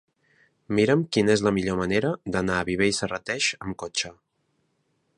Mira'm quina és la millor manera d'anar a Viver i Serrateix amb cotxe.